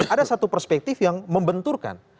ada satu perspektif yang membenturkan